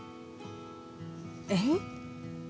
えっ？